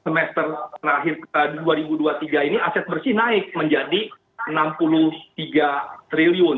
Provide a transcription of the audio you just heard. semester terakhir dua ribu dua puluh tiga ini aset bersih naik menjadi rp enam puluh tiga triliun